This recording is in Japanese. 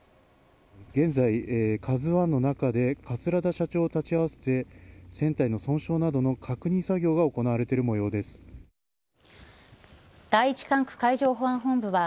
現在ＫＡＺＵ１の中で桂田社長を立ち合わせて船体の損傷などの確認作業が第１管区海上保安本部は